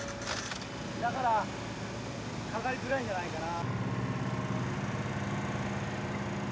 だからかかりづらいんじゃないかな。